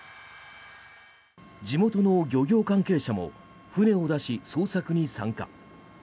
地元の漁業関係者も船を出し、捜索に参加。